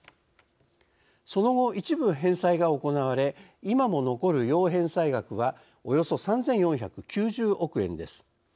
その後一部返済が行われ今も残る要返済額はおよそ３，４９０億円です。